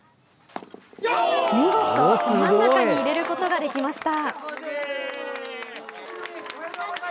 見事、ど真ん中に入れることができました。